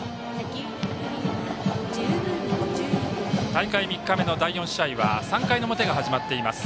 大会３日目の第４試合は３回の表が始まっています。